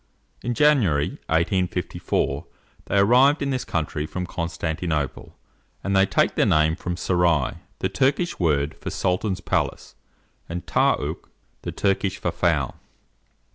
In January, 1854, they arrived in this country from Constantinople; and they take their name from sarai, the Turkish word for sultan's palace, and ta ook, the Turkish for fowl.